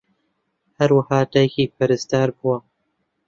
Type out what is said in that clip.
ھەروەھا دایکی پەرستار بووە